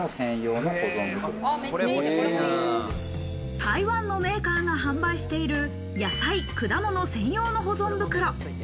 台湾のメーカーが販売している野菜・果物専用の保存袋。